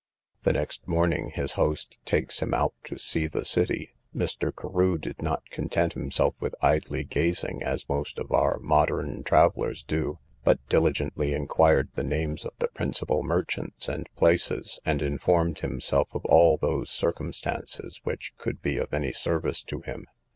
The next morning his host takes him out to see the city: Mr. Carew did not content himself with idly gazing, as most of our modern travellers do; but diligently inquired the names of the principal merchants and places, and informed himself of all those circumstances, which could be of any service to him.